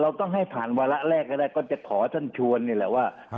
ต้องให้ผ่านวาระแรกให้ได้ก็จะขอท่านชวนนี่แหละว่า